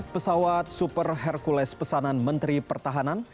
pesawat super hercules pesanan menteri pertahanan